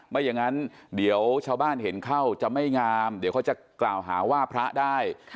ไม่อย่างนั้นเดี๋ยวชาวบ้านเห็นเข้าจะไม่งามเดี๋ยวเขาจะกล่าวหาว่าพระได้